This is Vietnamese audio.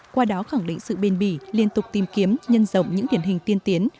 qua đó khẳng định sự bền bỉ liên tục tìm kiếm nhân rộng những điển hình tiên tiến